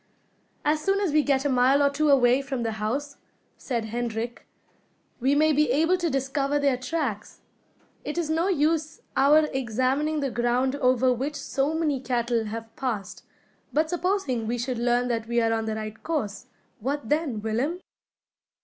"As soon as we get a mile or two away from the house," said Hendrik, "we may be able to discover their tracks. It is no use our examining the ground over which so many cattle have passed. But supposing we should learn that we are on the right course, what then, Willem?"